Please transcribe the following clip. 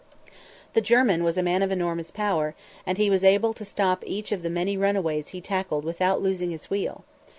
The German was a man of enormous power, and he was able to stop each of the many runaways he tackled without losing his wheel.